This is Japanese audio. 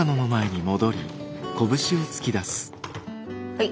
はい！